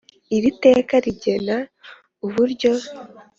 Iri teka rigena uburyo